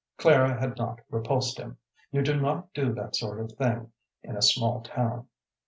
Clara had not repulsed him. You do not do that sort of thing in a small town.